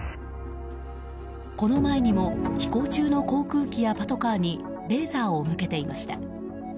この前にも飛行中の航空機やパトカーにレーザーを向けていました。